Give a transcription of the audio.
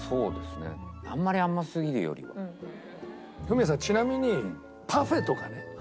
フミヤさんちなみにパフェとかね